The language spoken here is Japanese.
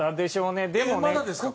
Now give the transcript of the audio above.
まだですか？